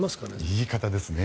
言い方ですね